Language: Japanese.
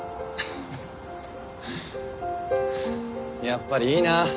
やっぱりいいな。